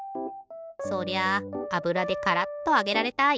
そりゃああぶらでカラッとあげられたい。